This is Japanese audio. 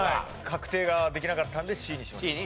確定ができなかったんでＣにしました。